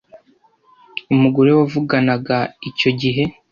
Umugore wavuganaga icyo gihe